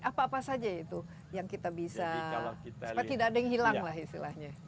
apa apa saja itu yang kita bisa supaya tidak ada yang hilang lah istilahnya